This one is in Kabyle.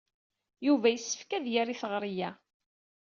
Yuba yessefk ad yerr i teɣri-a.